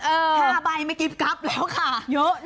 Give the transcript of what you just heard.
เออ๕ใบไม่กิบกรับแล้วค่ะ